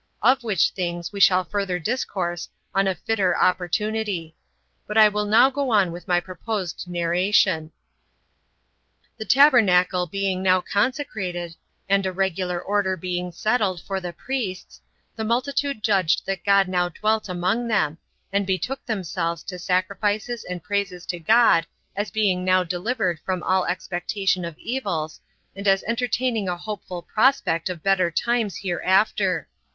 Of which things we shall further discourse on a fitter opportunity; but I will now go on with my proposed narration. 10. The tabernacle being now consecrated, and a regular order being settled for the priests, the multitude judged that God now dwelt among them, and betook themselves to sacrifices and praises to God as being now delivered from all expectation of evils and as entertaining a hopeful prospect of better times hereafter.